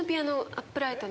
アップライト。